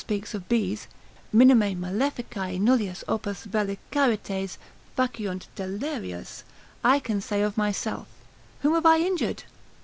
speaks of bees, minime maleficae nullius opus vellicantes faciunt delerius, I can say of myself, Whom have I injured?